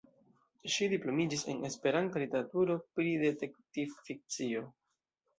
Ŝi diplomiĝis en esperanta literaturo pri detektiv-fikcio.